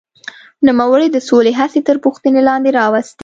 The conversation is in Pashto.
نوموړي د سولې هڅې تر پوښتنې لاندې راوستې.